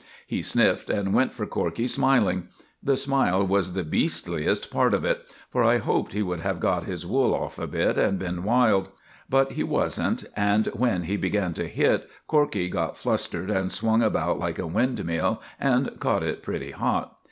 He sniffed and went for Corkey smiling. The smile was the beastliest part of it, for I hoped he would have got his wool off a bit and been wild. But he wasn't, and when he began to hit, Corkey got flustered and swung about like a windmill and caught it pretty hot.